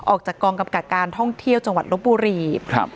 ออกจากกองกำกับการท่องเที่ยวจังหวัดลบบุรีครับ